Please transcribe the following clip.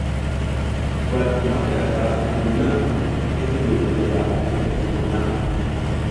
Gwat ma kiɗaka dumbuŋ na i ngi Buy madala mi fa fugum na.